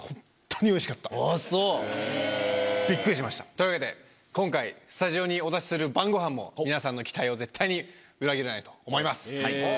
あぁそう！ビックリしましたというわけで今回スタジオにお出しする晩ごはんも皆さんの期待を絶対に裏切らないと思います！